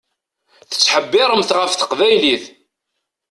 Tettḥebbiṛemt ɣef teqbaylit.